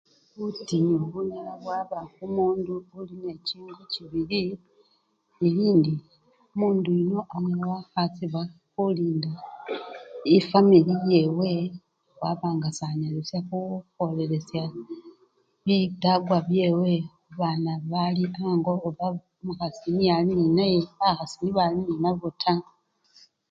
Butinyu bunyala bwaba khumundu oli nechingo chibili, bilindi omundu yuno anyala wakhasibwa khulinda efwamili yewe abanga sanyalasa khukwolelesya bitakwa byewe babana bali ango oba mukhasi niye alinenaye bakhasi nibo ali nenabo taa